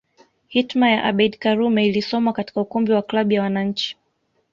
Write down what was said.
Hitma ya Abeid Karume ilisomwa katika ukumbi wa klabu ya wananchi